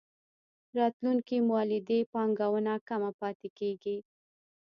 راتلونکې مولدې پانګونه کمه پاتې کېږي.